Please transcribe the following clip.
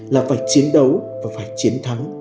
là phải chiến đấu và phải chiến thắng